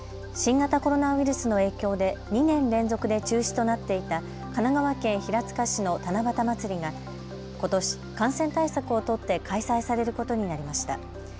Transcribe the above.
新型コロナウイルスの影響で２年連続で中止となっていた神奈川県平塚市の七夕まつりがことし感染対策を取って開催されることになりました。